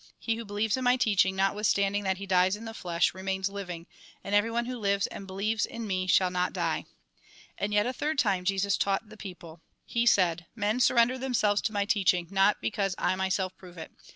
He who believes in my teaching, notwith standing that he dies in the flesh, remains living, and everyone who lives and believes in me shall not die." And yet a third time, Jesus taught the people; he said :" Men surrender themselves to my teach ing, not because I myself prove it.